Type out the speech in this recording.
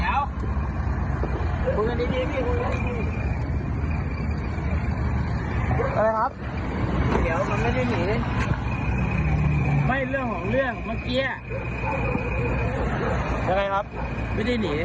ยังไงครับไม่ได้หนี